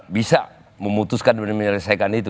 bisa memutuskan dan menyelesaikan itu